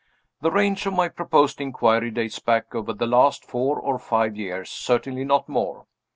The range of my proposed inquiry dates back over the last four or five years certainly not more.